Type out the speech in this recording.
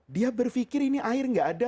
dia berpikir ini air gak ada